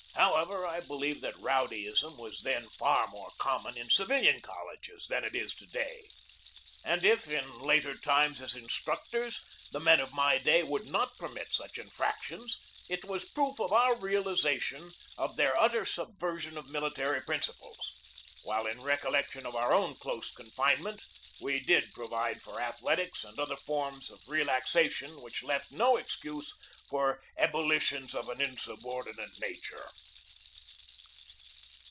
However, I believe that rowdyism was then far more common in civilian colleges than it is to day; and if, in later times as instructors, the men of my day would not permit AT ANNAPOLIS i 9 such infractions, it was proof of our realization of their utter subversion of military principles, while in recollection of our own close confinement we did pro vide for athletics and other forms of relaxation which left no excuse for ebullitions of an insubordinate nature.